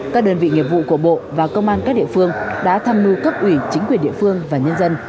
các đơn vị nghiệp vụ của bộ và công an các địa phương đã tham mưu cấp ủy chính quyền địa phương và nhân dân